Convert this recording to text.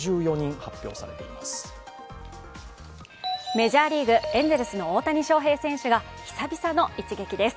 メジャーリーグ、エンゼルスの大谷翔平選手が久々の一撃です。